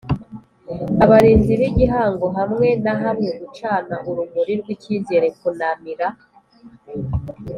Abarinzi b igihango hamwe na hamwe gucana urumuri rw icyizere kunamira